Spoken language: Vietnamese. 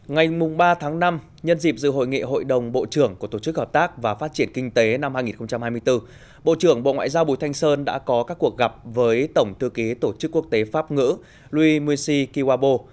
ngày ba tháng năm nhân dịp dự hội nghị hội đồng bộ trưởng của tổ chức hợp tác và phát triển kinh tế năm hai nghìn hai mươi bốn bộ trưởng bộ ngoại giao bùi thanh sơn đã có các cuộc gặp với tổng thư ký tổ chức quốc tế pháp ngữ louis muisi kiwabo